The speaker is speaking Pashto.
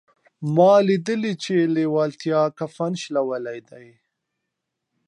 ما لیدلي چې لېوالتیا کفن شلولی دی